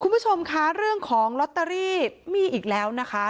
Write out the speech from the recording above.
คุณผู้ชมคะเรื่องของลอตเตอรี่มีอีกแล้วนะคะ